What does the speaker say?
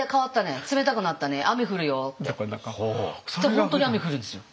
本当に雨降るんですよ。